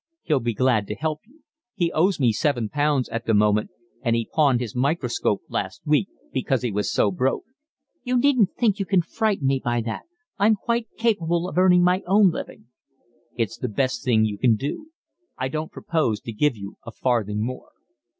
"He'll be glad to help you. He owes me seven pounds at the moment, and he pawned his microscope last week, because he was so broke." "You needn't think you can frighten me by that. I'm quite capable of earning my own living." "It's the best thing you can do. I don't propose to give you a farthing more."